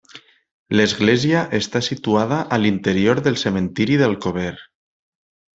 L'església està situada a l'interior del cementiri d'Alcover.